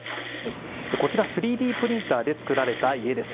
こちら、３Ｄプリンターで造られたた家です。